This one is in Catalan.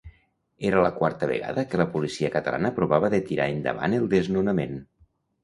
Era la quarta vegada que la policia catalana provava de tirar endavant el desnonament.